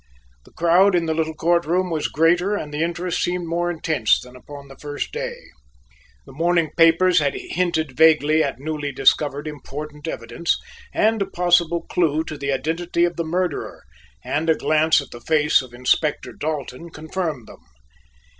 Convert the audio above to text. The crowd in the little court room was greater and the interest seemed more intense than upon the first day. The morning papers had hinted vaguely at newly discovered important evidence and a possible clue to the identity of the murderer and a glance at the face of Inspector Dalton confirmed them.